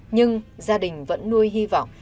nhưng gia đình vẫn nuôi hy vọng